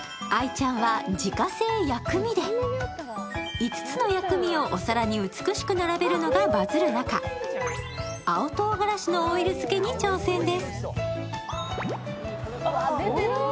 ５つの薬味をお皿に美しく並べるのがバズる中、青とうがらしのオイル漬けに挑戦です。